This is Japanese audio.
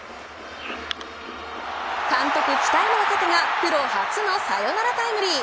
監督期待の若手がプロ初のサヨナラタイムリー。